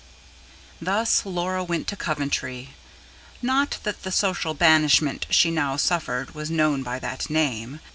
XIX. Thus Laura went to Coventry. Not that the social banishment she now suffered was known by that name.